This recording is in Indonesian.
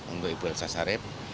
untuk ibu elza sharif